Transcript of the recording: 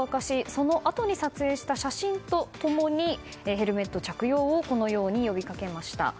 そのあとに撮影した写真と共にヘルメット着用をこのように呼びかけました。